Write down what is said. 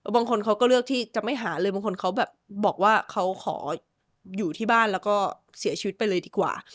บางคนเขาก็เลือกที่จะไม่หาเลยบางคนเขาแบบบอกว่าเขาขออยู่ที่บ้านแล้วก็เสียชีวิตไปเลยดีกว่า